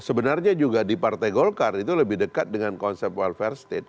sebenarnya juga di partai golkar itu lebih dekat dengan konsep welfare state